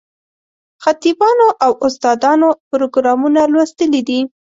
خطیبانو او استادانو پروګرامونه لوستلي دي.